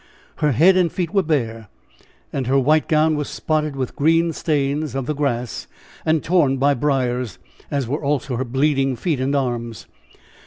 Her head and feet were bare, and her white gown was spotted with green stains of the grass, and torn by briars, as were also her bleeding feet and arms.